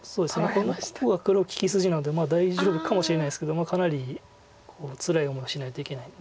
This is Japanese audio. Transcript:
ここが黒利き筋なんで大丈夫かもしれないですけどかなりつらい思いしないといけないので。